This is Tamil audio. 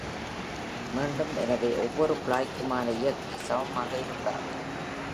மீண்டும், எனவே ஒவ்வொரு குழாய்க்குமான இயக்கி சமமாக இருக்காது.